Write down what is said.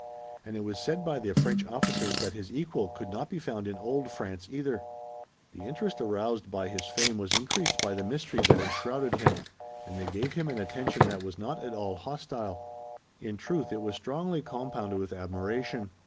And it was said by the French officers that his equal could not be found in old France either. The interest aroused by his fame was increased by the mystery that enshrouded him, and they gave him an attention that was not at all hostile. In truth, it was strongly compounded with admiration.